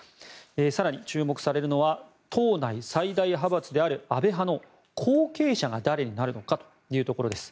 更に、注目されるのは党内最大派閥である安倍派の後継者が誰になるのかというところです。